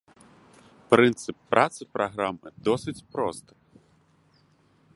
Прынцып працы праграмы досыць просты.